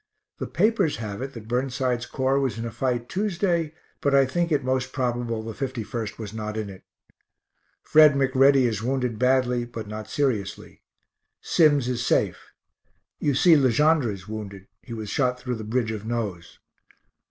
The papers have it that Burnside's Corps was in a fight Tuesday, but I think it most probable the 51st was not in it. Fred McReady is wounded badly, but not seriously. Sims is safe. You see Le Gendre is wounded he was shot through the bridge of nose.